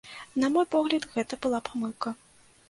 На мой погляд, гэта была памылка.